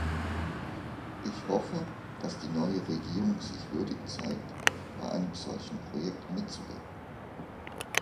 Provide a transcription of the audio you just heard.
Ich hoffe, dass die neue Regierung sich würdig zeigt, bei einem solchen Projekt mitzuwirken.